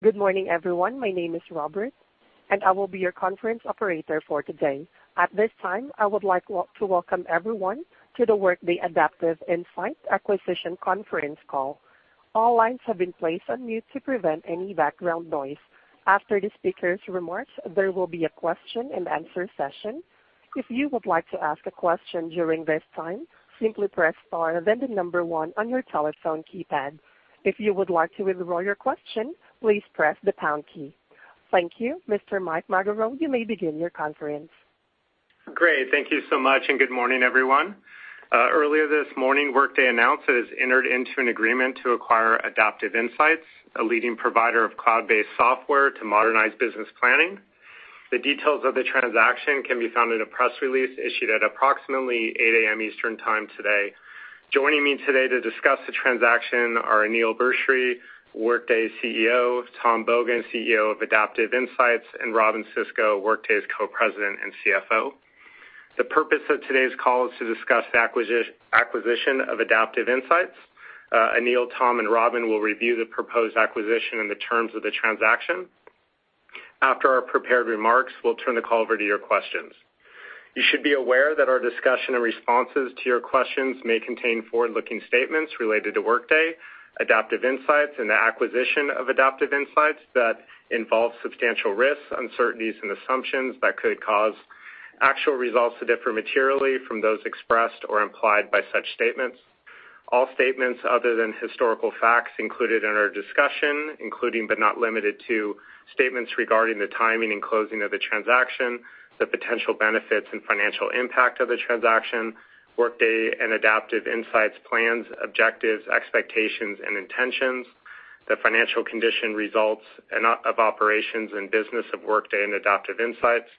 Good morning, everyone. My name is Robert. I will be your conference operator for today. At this time, I would like to welcome everyone to the Workday Adaptive Insights Acquisition Conference Call. All lines have been placed on mute to prevent any background noise. After the speakers' remarks, there will be a question and answer session. If you would like to ask a question during this time, simply press star then the number one on your telephone keypad. If you would like to withdraw your question, please press the pound key. Thank you. Mr. Mike Magaro, you may begin your conference. Great. Thank you so much. Good morning, everyone. Earlier this morning, Workday announced that it has entered into an agreement to acquire Adaptive Insights, a leading provider of cloud-based software to modernize business planning. The details of the transaction can be found in a press release issued at approximately 8:00 A.M. Eastern Time today. Joining me today to discuss the transaction are Aneel Bhusri, Workday's CEO, Tom Bogan, CEO of Adaptive Insights, and Robynne Sisco, Workday's Co-President and CFO. The purpose of today's call is to discuss the acquisition of Adaptive Insights. Aneel, Tom, and Robynne will review the proposed acquisition and the terms of the transaction. After our prepared remarks, we'll turn the call over to your questions. You should be aware that our discussion and responses to your questions may contain forward-looking statements related to Workday, Adaptive Insights, and the acquisition of Adaptive Insights that involve substantial risks, uncertainties and assumptions that could cause actual results to differ materially from those expressed or implied by such statements. All statements other than historical facts included in our discussion, including but not limited to statements regarding the timing and closing of the transaction, the potential benefits and financial impact of the transaction, Workday and Adaptive Insights' plans, objectives, expectations and intentions, the financial condition results of operations and business of Workday and Adaptive Insights,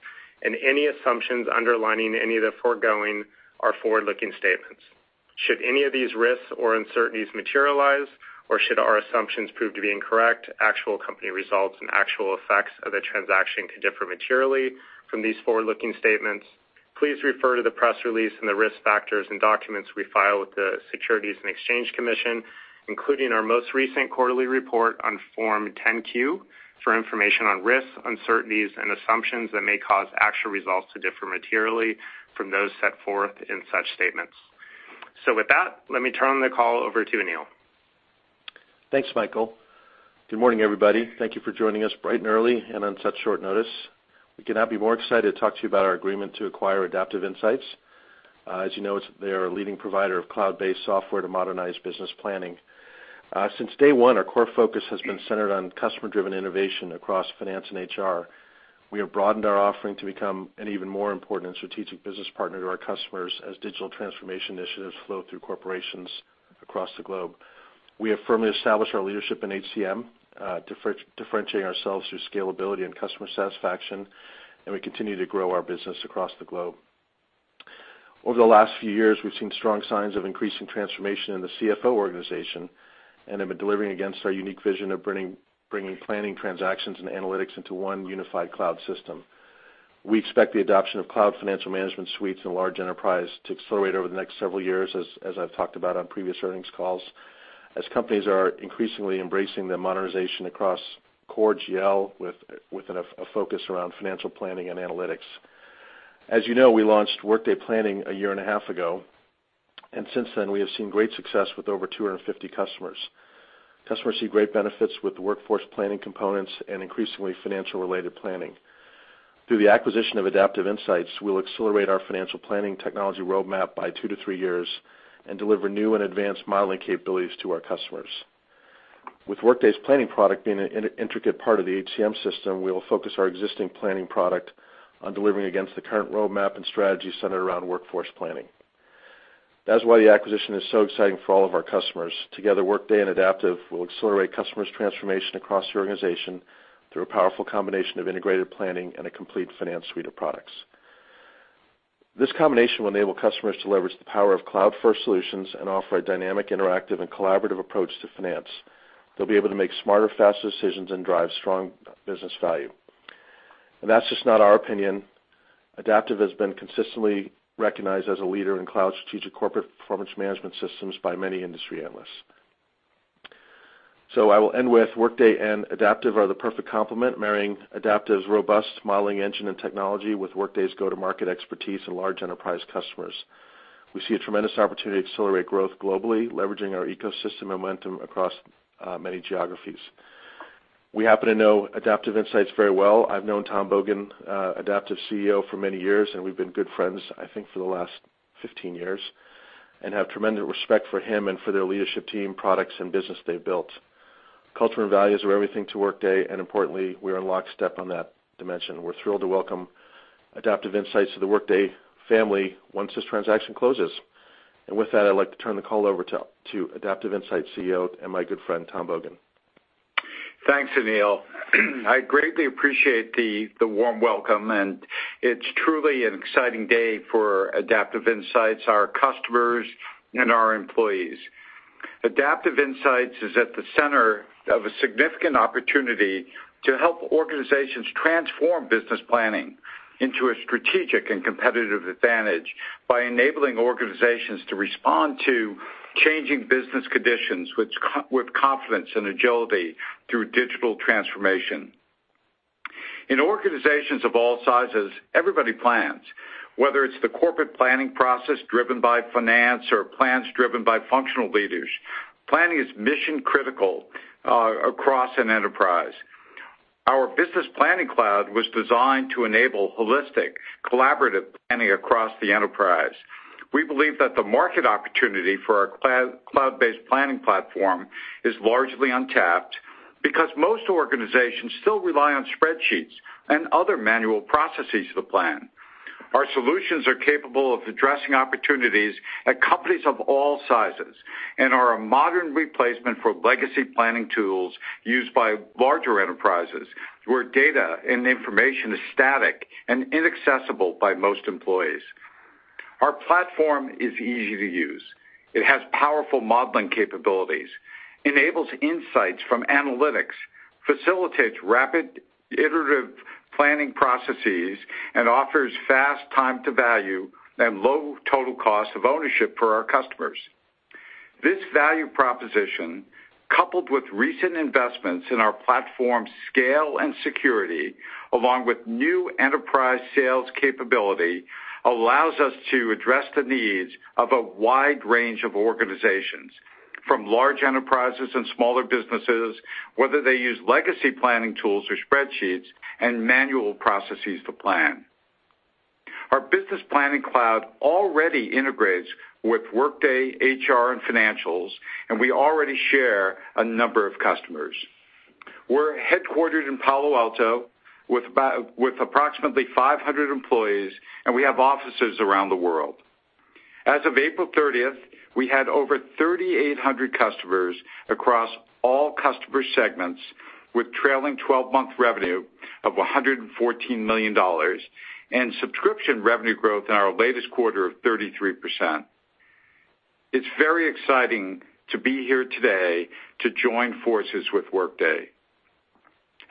and any assumptions underlining any of the foregoing are forward-looking statements. Should any of these risks or uncertainties materialize, or should our assumptions prove to be incorrect, actual company results and actual effects of the transaction could differ materially from these forward-looking statements. Please refer to the press release and the risk factors and documents we file with the Securities and Exchange Commission, including our most recent quarterly report on Form 10-Q, for information on risks, uncertainties, and assumptions that may cause actual results to differ materially from those set forth in such statements. With that, let me turn the call over to Aneel. Thanks, Michael. Good morning, everybody. Thank you for joining us bright and early and on such short notice. We could not be more excited to talk to you about our agreement to acquire Adaptive Insights. As you know, they are a leading provider of cloud-based software to modernize business planning. Since day one, our core focus has been centered on customer-driven innovation across finance and HR. We have broadened our offering to become an even more important and strategic business partner to our customers as digital transformation initiatives flow through corporations across the globe. We have firmly established our leadership in HCM, differentiating ourselves through scalability and customer satisfaction, and we continue to grow our business across the globe. Over the last few years, we've seen strong signs of increasing transformation in the CFO organization and have been delivering against our unique vision of bringing planning transactions and analytics into one unified cloud system. We expect the adoption of cloud financial management suites in large enterprise to accelerate over the next several years, as I've talked about on previous earnings calls, as companies are increasingly embracing the modernization across core GL with a focus around financial planning and analytics. As you know, we launched Workday Planning a year and a half ago, and since then, we have seen great success with over 250 customers. Customers see great benefits with the workforce planning components and increasingly financial-related planning. Through the acquisition of Adaptive Insights, we'll accelerate our financial planning technology roadmap by two to three years and deliver new and advanced modeling capabilities to our customers. With Workday's planning product being an intricate part of the HCM system, we'll focus our existing planning product on delivering against the current roadmap and strategy centered around workforce planning. That is why the acquisition is so exciting for all of our customers. Together, Workday and Adaptive will accelerate customers' transformation across the organization through a powerful combination of integrated planning and a complete finance suite of products. This combination will enable customers to leverage the power of cloud-first solutions and offer a dynamic, interactive, and collaborative approach to finance. They'll be able to make smarter, faster decisions and drive strong business value. That's just not our opinion. Adaptive has been consistently recognized as a leader in cloud strategic corporate performance management systems by many industry analysts. I will end with Workday and Adaptive are the perfect complement, marrying Adaptive's robust modeling engine and technology with Workday's go-to-market expertise and large enterprise customers. We see a tremendous opportunity to accelerate growth globally, leveraging our ecosystem momentum across many geographies. We happen to know Adaptive Insights very well. I've known Tom Bogan, Adaptive's CEO, for many years, and we've been good friends, I think, for the last 15 years, and have tremendous respect for him and for their leadership team, products, and business they've built. Culture and values are everything to Workday, and importantly, we are in lockstep on that dimension. We're thrilled to welcome Adaptive Insights to the Workday family once this transaction closes. With that, I'd like to turn the call over to Adaptive Insights CEO and my good friend, Tom Bogan. Thanks, Aneel. I greatly appreciate the warm welcome, and it's truly an exciting day for Adaptive Insights, our customers, and our employees. Adaptive Insights is at the center of a significant opportunity to help organizations transform business planning Into a strategic and competitive advantage by enabling organizations to respond to changing business conditions with confidence and agility through digital transformation. In organizations of all sizes, everybody plans. Whether it's the corporate planning process driven by finance or plans driven by functional leaders, planning is mission-critical across an enterprise. Our Business Planning Cloud was designed to enable holistic, collaborative planning across the enterprise. We believe that the market opportunity for our cloud-based planning platform is largely untapped because most organizations still rely on spreadsheets and other manual processes to plan. Our solutions are capable of addressing opportunities at companies of all sizes and are a modern replacement for legacy planning tools used by larger enterprises, where data and information is static and inaccessible by most employees. Our platform is easy to use. It has powerful modeling capabilities, enables insights from analytics, facilitates rapid iterative planning processes, and offers fast time to value and low total cost of ownership for our customers. This value proposition, coupled with recent investments in our platform scale and security, along with new enterprise sales capability, allows us to address the needs of a wide range of organizations, from large enterprises and smaller businesses, whether they use legacy planning tools or spreadsheets and manual processes to plan. Our Business Planning Cloud already integrates with Workday HR and financials, and we already share a number of customers. We're headquartered in Palo Alto with approximately 500 employees, and we have offices around the world. As of April 30th, we had over 3,800 customers across all customer segments, with trailing 12-month revenue of $114 million and subscription revenue growth in our latest quarter of 33%. It's very exciting to be here today to join forces with Workday.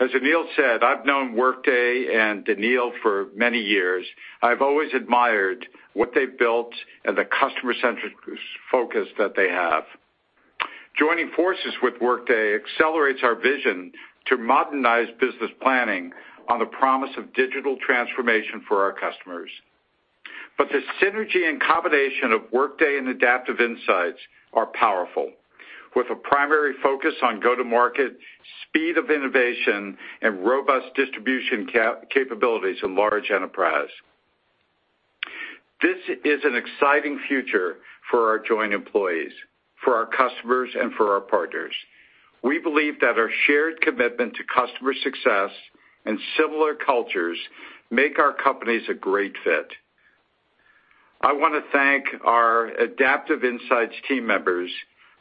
As Aneel said, I've known Workday and Aneel for many years. I've always admired what they've built and the customer-centric focus that they have. Joining forces with Workday accelerates our vision to modernize business planning on the promise of digital transformation for our customers. The synergy and combination of Workday and Adaptive Insights are powerful, with a primary focus on go-to-market, speed of innovation, and robust distribution capabilities in large enterprise. This is an exciting future for our joint employees, for our customers, and for our partners. We believe that our shared commitment to customer success and similar cultures make our companies a great fit. I want to thank our Adaptive Insights team members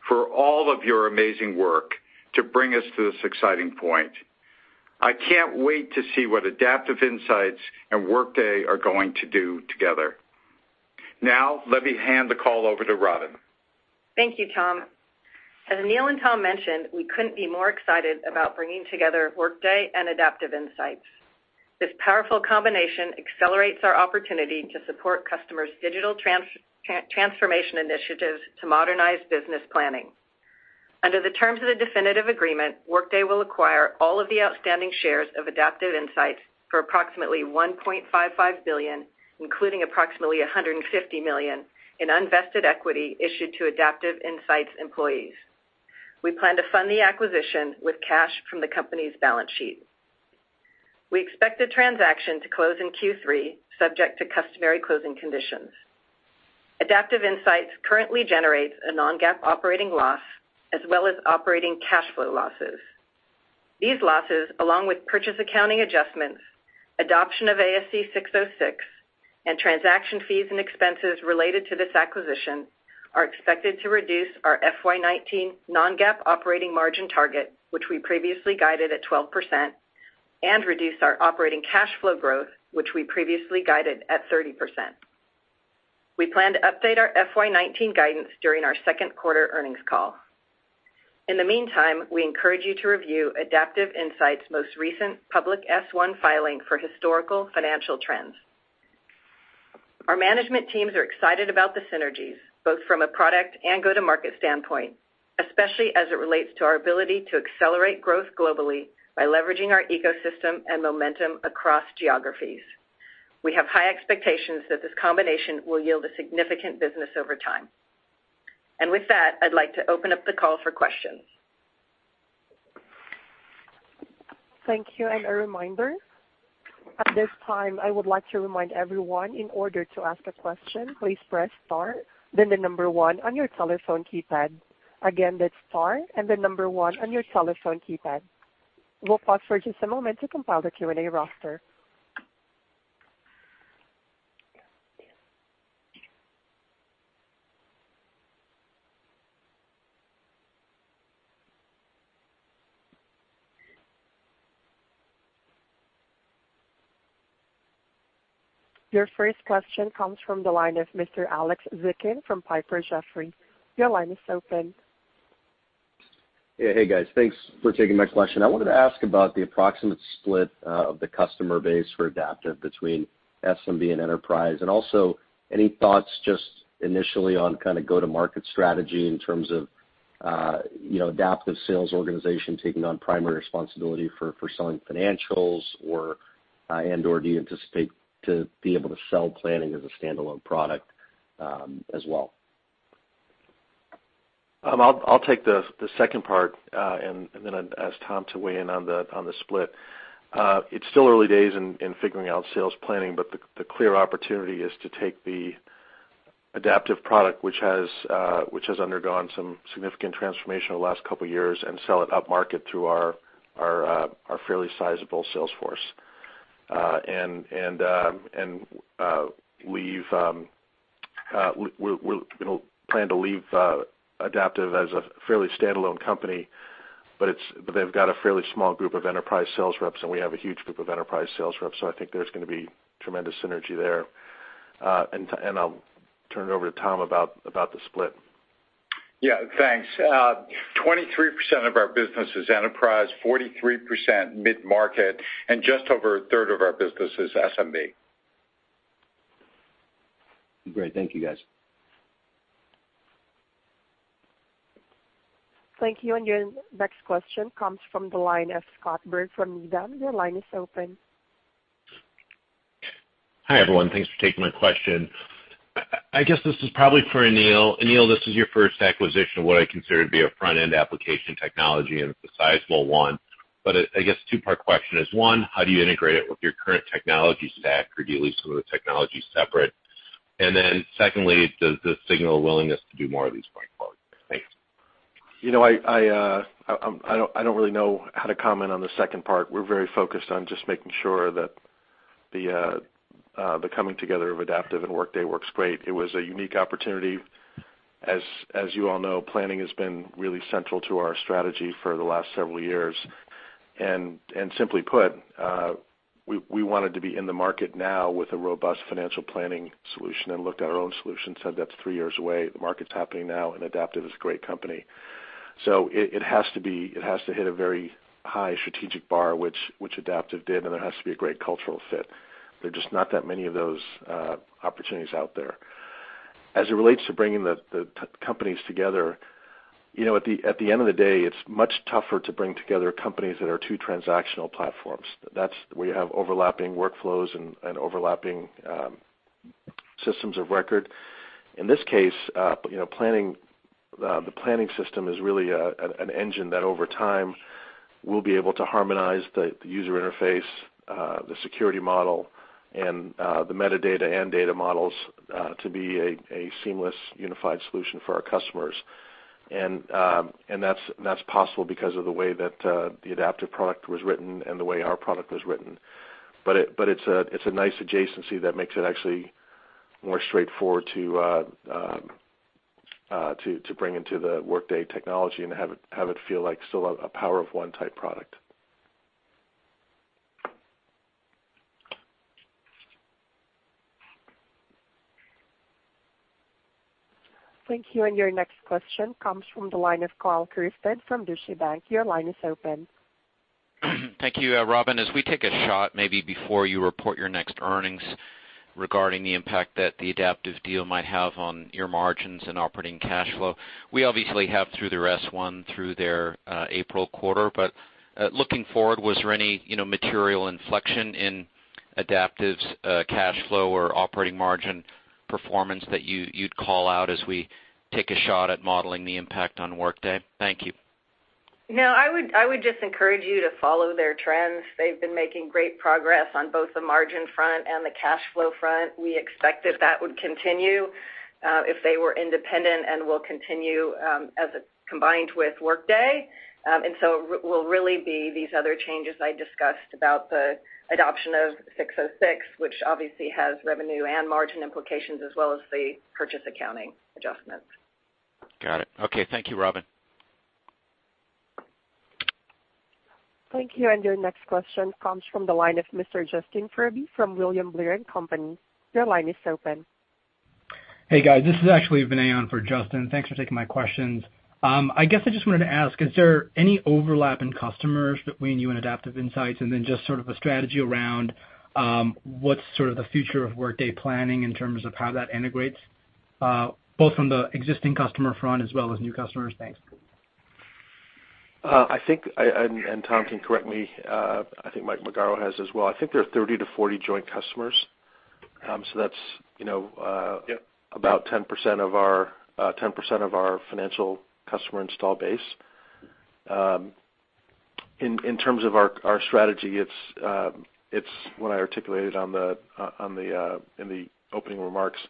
for all of your amazing work to bring us to this exciting point. I can't wait to see what Adaptive Insights and Workday are going to do together. Let me hand the call over to Robynne. Thank you, Tom. As Aneel and Tom mentioned, we couldn't be more excited about bringing together Workday and Adaptive Insights. This powerful combination accelerates our opportunity to support customers' digital transformation initiatives to modernize business planning. Under the terms of the definitive agreement, Workday will acquire all of the outstanding shares of Adaptive Insights for approximately $1.55 billion, including approximately $150 million in unvested equity issued to Adaptive Insights employees. We plan to fund the acquisition with cash from the company's balance sheet. We expect the transaction to close in Q3, subject to customary closing conditions. Adaptive Insights currently generates a non-GAAP operating loss, as well as operating cash flow losses. These losses, along with purchase accounting adjustments, adoption of ASC 606, and transaction fees and expenses related to this acquisition, are expected to reduce our FY 2019 non-GAAP operating margin target, which we previously guided at 12%, and reduce our operating cash flow growth, which we previously guided at 30%. We plan to update our FY 2019 guidance during our second quarter earnings call. In the meantime, we encourage you to review Adaptive Insights' most recent public S1 filing for historical financial trends. Our management teams are excited about the synergies, both from a product and go-to-market standpoint, especially as it relates to our ability to accelerate growth globally by leveraging our ecosystem and momentum across geographies. We have high expectations that this combination will yield a significant business over time. With that, I'd like to open up the call for questions. Thank you. A reminder, at this time, I would like to remind everyone, in order to ask a question, please press star, then the number one on your telephone keypad. Again, that's star and the number one on your telephone keypad. We'll pause for just a moment to compile the Q&A roster. Your first question comes from the line of Mr. Alex Zukin from Piper Jaffray. Your line is open. Hey, guys. Thanks for taking my question. I wanted to ask about the approximate split of the customer base for Adaptive Insights between SMB and enterprise. Also, any thoughts just initially on go-to-market strategy in terms of Adaptive Insights sales organization taking on primary responsibility for selling financials, and/or do you anticipate to be able to sell planning as a standalone product as well? I'll take the second part, and then I'd ask Tom to weigh in on the split. It's still early days in figuring out sales planning, but the clear opportunity is to take the Adaptive product, which has undergone some significant transformation over the last couple of years, and sell it upmarket through our fairly sizable sales force. We plan to leave Adaptive Insights as a fairly standalone company, but they've got a fairly small group of enterprise sales reps, and we have a huge group of enterprise sales reps, so I think there's going to be tremendous synergy there. I'll turn it over to Tom about the split. Yeah, thanks. 23% of our business is enterprise, 43% mid-market, and just over a third of our business is SMB. Great. Thank you, guys. Thank you. Your next question comes from the line of Scott Berg from Needham. Your line is open. Hi, everyone. Thanks for taking my question. I guess this is probably for Aneel. Aneel, this is your first acquisition of what I consider to be a front-end application technology, and it's a sizable one. I guess two-part question is, one, how do you integrate it with your current technology stack, or do you leave some of the technology separate? Secondly, does this signal a willingness to do more of these going forward? Thanks. I don't really know how to comment on the second part. We're very focused on just making sure that the coming together of Adaptive and Workday works great. It was a unique opportunity. As you all know, planning has been really central to our strategy for the last several years. Simply put, we wanted to be in the market now with a robust financial planning solution, looked at our own solution, said that's three years away, the market's happening now, and Adaptive is a great company. It has to hit a very high strategic bar, which Adaptive did, and it has to be a great cultural fit. There are just not that many of those opportunities out there. As it relates to bringing the companies together, at the end of the day, it's much tougher to bring together companies that are two transactional platforms. That's where you have overlapping workflows and overlapping systems of record. In this case, the planning system is really an engine that over time will be able to harmonize the user interface, the security model, and the metadata and data models to be a seamless, unified solution for our customers. That's possible because of the way that the Adaptive product was written and the way our product was written. It's a nice adjacency that makes it actually more straightforward to bring into the Workday technology and have it feel like still a power of 1 type product. Thank you. Your next question comes from the line of Karl Keirstead from Deutsche Bank. Your line is open. Thank you, Robynne. As we take a shot, maybe before you report your next earnings regarding the impact that the Adaptive deal might have on your margins and operating cash flow, we obviously have through their S1, through their April quarter, but looking forward, was there any material inflection in Adaptive's cash flow or operating margin performance that you'd call out as we take a shot at modeling the impact on Workday? Thank you. No, I would just encourage you to follow their trends. They've been making great progress on both the margin front and the cash flow front. We expected that would continue if they were independent and will continue as combined with Workday. So it will really be these other changes I discussed about the adoption of 606, which obviously has revenue and margin implications, as well as the purchase accounting adjustments. Got it. Okay. Thank you, Robynne. Thank you. Your next question comes from the line of Mr. Justin Furby from William Blair & Company. Your line is open. Hey, guys. This is actually Vinayan for Justin. Thanks for taking my questions. I guess I just wanted to ask, is there any overlap in customers between you and Adaptive Insights? Just sort of a strategy around what's sort of the future of Workday Planning in terms of how that integrates, both from the existing customer front as well as new customers? Thanks. Tom can correct me. I think Mike Magaro has as well. I think there are 30 to 40 joint customers. That's- Yep about 10% of our financial customer install base. In terms of our strategy, it's what I articulated in the opening remarks.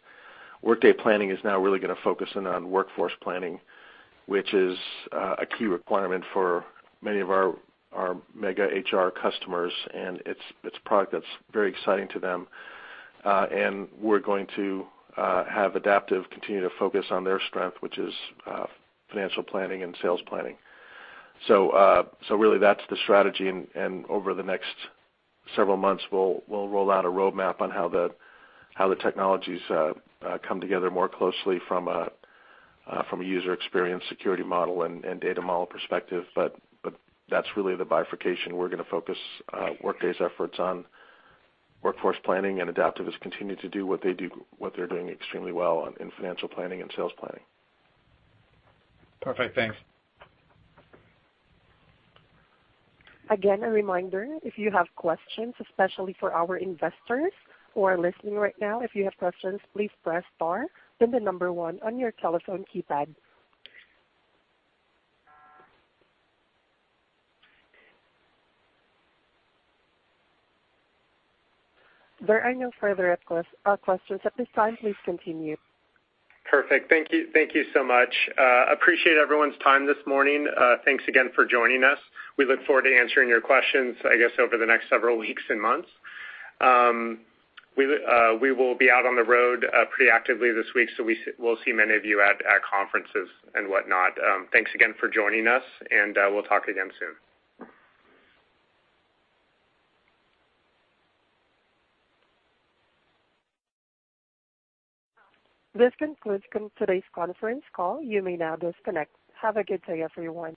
Workday Planning is now really going to focus in on workforce planning, which is a key requirement for many of our mega HR customers, and it's a product that's very exciting to them. We're going to have Adaptive continue to focus on their strength, which is financial planning and sales planning. Really, that's the strategy, and over the next several months, we'll roll out a roadmap on how the technologies come together more closely from a user experience, security model, and data model perspective. That's really the bifurcation. We're going to focus Workday's efforts on workforce planning, and Adaptive is continuing to do what they're doing extremely well in financial planning and sales planning. Perfect. Thanks. A reminder, if you have questions, especially for our investors who are listening right now, if you have questions, please press star, then the number 1 on your telephone keypad. There are no further questions at this time. Please continue. Perfect. Thank you so much. Appreciate everyone's time this morning. Thanks again for joining us. We look forward to answering your questions, I guess, over the next several weeks and months. We will be out on the road proactively this week, we'll see many of you at conferences and whatnot. Thanks again for joining us, we'll talk again soon. This concludes today's conference call. You may now disconnect. Have a good day, everyone.